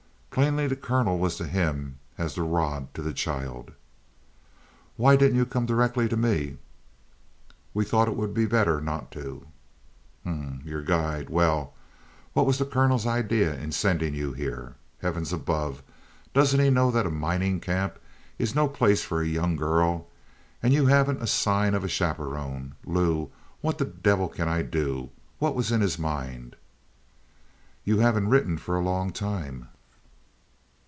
Plainly the colonel was to him as the rod to the child. "Why didn't you come directly to me?" "We thought it would be better not to." "H'm m. Your guide well, what was the colonel's idea in sending you here? Heavens above, doesn't he know that a mining camp is no place for a young girl? And you haven't a sign of a chaperon, Lou! What the devil can I do? What was in his mind?" "You haven't written for a long time."